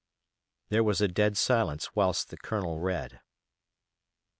There was a dead silence whilst the Colonel read.